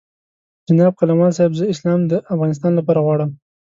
جناب قلموال صاحب زه اسلام د افغانستان لپاره غواړم.